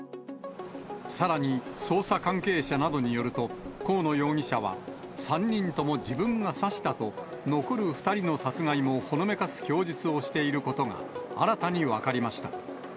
さらに捜査関係者などによると、河野容疑者は、３人とも自分が刺したと、残る２人の殺害もほのめかす供述をしていることが、新たに分かりました。